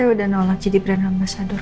saya udah nolak jadi brand ambasador